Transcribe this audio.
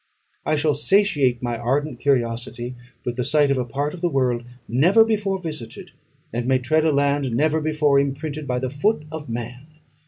I shall satiate my ardent curiosity with the sight of a part of the world never before visited, and may tread a land never before imprinted by the foot of man.